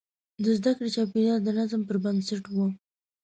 د زده کړې چاپېریال د نظم پر بنسټ و.